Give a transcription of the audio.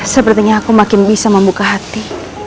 sepertinya aku makin bisa membuka hati